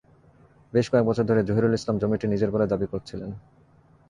বেশ কয়েক বছর ধরেই জহিরুল ইসলাম জমিটি নিজের বলে দাবি করছিলেন।